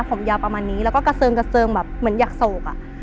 ผมยาวประมาณนี้แล้วก็กระเซิงแบบเหมือนยักษ์โศกอ่ะ